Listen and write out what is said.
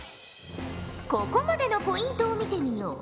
ここまでのポイントを見てみよう。